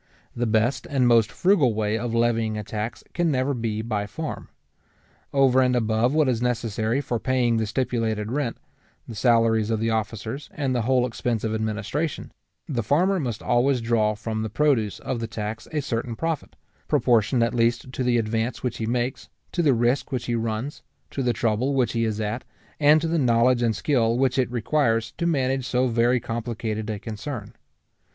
The best and most frugal way of levying a tax can never be by farm. Over and above what is necessary for paying the stipulated rent, the salaries of the officers, and the whole expense of administration, the farmer must always draw from the produce of the tax a certain profit, proportioned at least to the advance which he makes, to the risk which he runs, to the trouble which he is at, and to the knowledge and skill which it requires to manage so very complicated a concern.